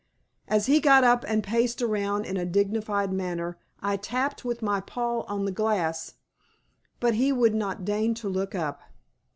As he got up and paced around in a dignified manner I tapped with my paw on the glass, but he would not deign to look up.